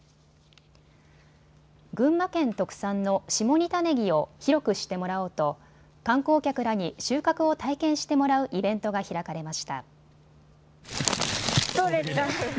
群馬県特産の下仁田ねぎを広く知ってもらおうと観光客らに収穫を体験してもらうイベントが開かれました。